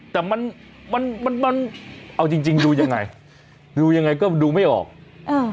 แต่มันมันเอาจริงจริงดูยังไงดูยังไงก็ดูไม่ออกอ่า